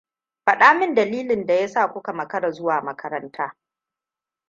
Faɗa min dalilin da ya sa kuka makara zuwa makaranta.